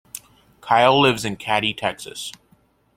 Kyle lives in Katy, Texas.